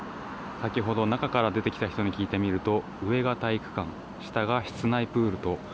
先程、中から出てきた人に聞いてみると上が体育館、下が室内プールと。